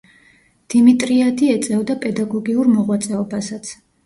დიმიტრიადი ეწეოდა პედაგოგიურ მოღვაწეობასაც.